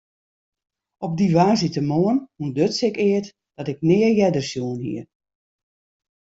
Op dy woansdeitemoarn ûntduts ik eat dat ik nea earder sjoen hie.